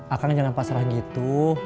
akang jangan pasrah gitu